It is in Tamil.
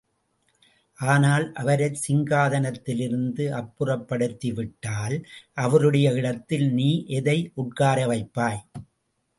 ஆனால், அவரைச் சிங்காதனத்திலிருந்து அப்புறப் படுத்திவிட்டால், அவருடைய இடத்தில் நீ எதை உட்காரவைப்பாய்?